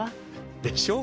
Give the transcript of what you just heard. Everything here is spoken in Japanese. でしょう？